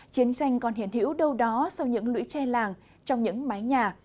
chiến tranh còn hiển hữu đâu đó sau những lưỡi tre làng trong những mái nhà